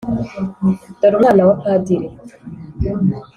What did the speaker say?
dore umwana kwa padiri